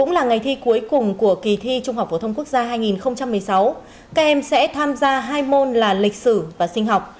cũng là ngày thi cuối cùng của kỳ thi trung học phổ thông quốc gia hai nghìn một mươi sáu các em sẽ tham gia hai môn là lịch sử và sinh học